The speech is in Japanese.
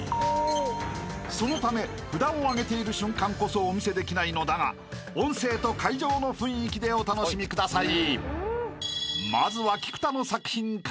［そのため札をあげている瞬間こそお見せできないのだが音声と会場の雰囲気でお楽しみください］